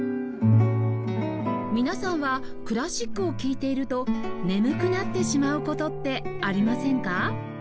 皆さんはクラシックを聴いていると眠くなってしまう事ってありませんか？